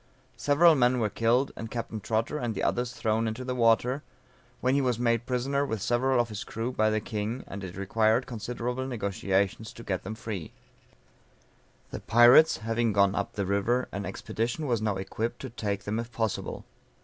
Several men were killed, and Captain Trotter and the others thrown into the water, when he was made prisoner with several of his crew, by the King, and it required considerable negociations to get them free. [Illustration: Burying the money on the beach at Cape Lopez.] The pirates having gone up the river, an expedition was now equipped to take them if possible.